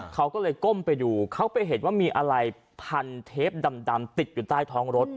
เขาก็เลยก้มไปดูเขาไปเห็นว่ามีอะไรพันเทปดำติดอยู่ใต้ท้องรถ